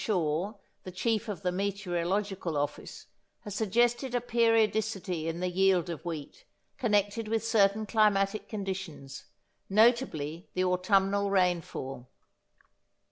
Shaw, the chief of the Meteorological Office has suggested a periodicity in the yield of wheat, connected with certain climatic conditions, notably the autumnal rainfall.